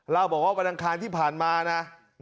เราบอกว่าวันทางที่ผ่านมานะ